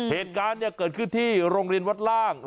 เหตุการณ์เกิดขึ้นที่โรงเรียนวัดล่าง